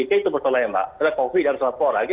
itu persoalannya mbak karena covid harus lapor lagi